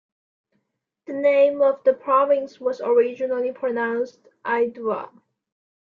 The name of the province was originally pronounced "Idewa".